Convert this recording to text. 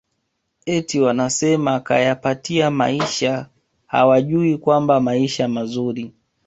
eti wanasema kayapatia maisha hawajui kwamba maisha mazuri